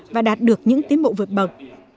và đạt được những tiến bộ vượt bậc